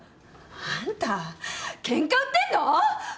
あんたケンカ売ってんの！？